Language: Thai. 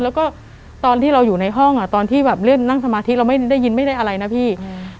แล้วก็ตอนที่เราอยู่ในห้องอ่ะตอนที่แบบเล่นนั่งสมาธิเราไม่ได้ยินไม่ได้อะไรนะพี่อืม